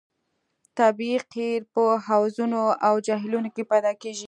طبیعي قیر په حوضونو او جهیلونو کې پیدا کیږي